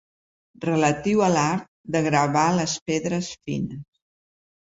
Relatiu a l'art de gravar les pedres fines.